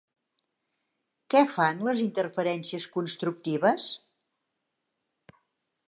Què fan les interferències constructives?